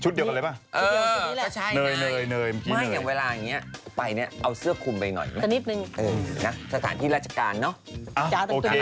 เดี๋ยวร้องดังทำตัวเสื่อมเสพยาคารอท